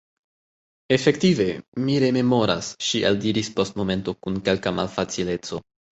Efektive, mi rememoras, ŝi eldiris post momento kun kelka malfacileco.